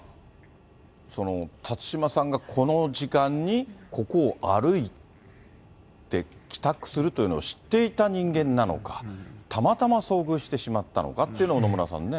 辰島さんがこの時間にここを歩いて帰宅するのを知っていた人間なのか、たまたま遭遇してしまったのかというのをね、野村さんね。